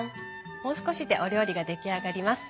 もう少しでお料理が出来上がります。